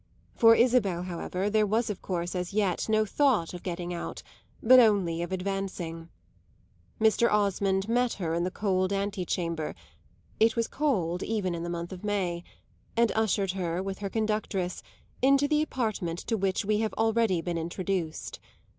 For Isabel, however, there was of course as yet no thought of getting out, but only of advancing. Mr. Osmond met her in the cold ante chamber it was cold even in the month of May and ushered her, with her conductress, into the apartment to which we have already been introduced.